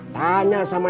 tanya sama siapa